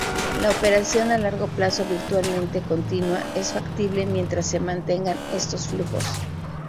La operación a largo plazo virtualmente continua es factible mientras se mantengan estos flujos.